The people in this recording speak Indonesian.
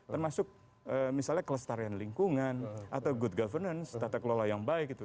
termasuk misalnya kelestarian lingkungan atau good governance tata kelola yang baik gitu